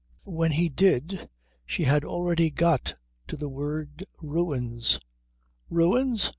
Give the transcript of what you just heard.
When he did she had already got to the word Ruins. "Ruins?"